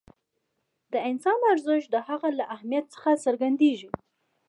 د انسان ارزښت د هغه له اهمیت څخه څرګندېږي.